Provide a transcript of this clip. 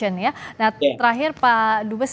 nah terakhir pak dubes